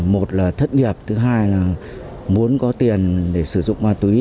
một là thất nghiệp thứ hai là muốn có tiền để sử dụng ma túy